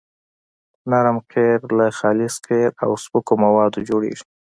نرم قیر له خالص قیر او سپکو موادو جوړیږي